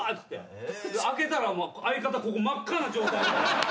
明けたら相方ここ真っ赤な状態で。